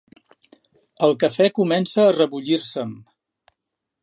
El cafè comença a rebullir-se'm.